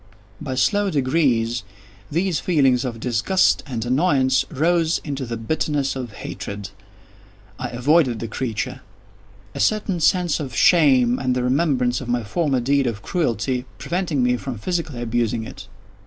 By slow degrees, these feelings of disgust and annoyance rose into the bitterness of hatred. I avoided the creature; a certain sense of shame, and the remembrance of my former deed of cruelty, preventing me from physically abusing it.